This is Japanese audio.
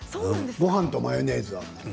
ごはんとマヨネーズ。